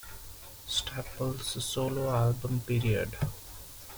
Staples solo album period.